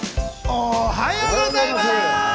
おはようございます！